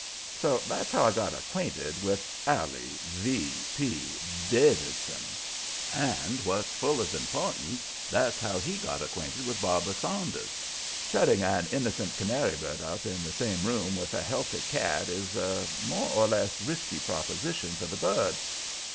"So that's how I got acquainted with Allie V. P. Davidson. And, what's full as important, that's how he got acquainted with Barbara Saunders. "Shutting an innocent canary bird up in the same room with a healthy cat is a more or less risky proposition for the bird.